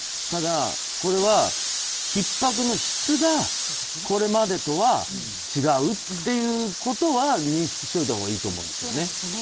ただ、これはひっ迫の質がこれまでとは違うということは認識しておいたほうがいいと思うんですね。